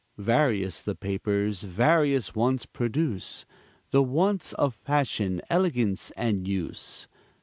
Various the papers various wants produce, The wants of fashion, elegance and use.